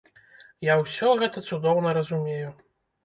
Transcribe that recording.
Я ўсе гэта цудоўна разумею.